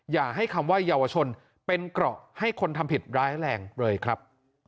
อย่าให้คำว่าเยาวชนเป็นเกราะให้คนทำผิดร้ายแรงเลยครับ